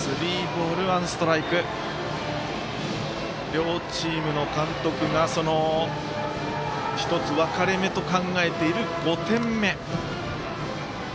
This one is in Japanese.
両チームの監督が１つ分かれ目と考えている５点目。